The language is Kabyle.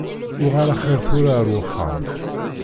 Uɣal axiṛ tura ar wexxam.